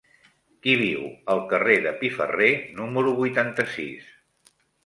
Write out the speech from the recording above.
Qui viu al carrer de Piferrer número vuitanta-sis?